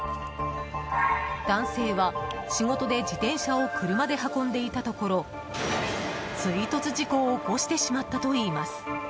男性は、仕事で自転車を車で運んでいたところ追突事故を起こしてしまったといいます。